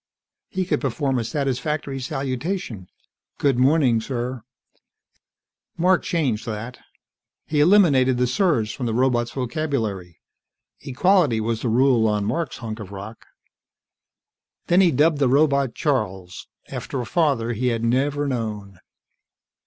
He could perform a satisfactory salutation: "Good morning, sir." Mark changed that. He eliminated the "sirs" from the robot's vocabulary; equality was the rule on Mark's hunk of rock. Then he dubbed the robot Charles, after a father he had never known.